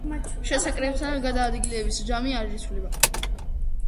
შესაკრებთა გადაადგილებით ჯამი არ იცვლება.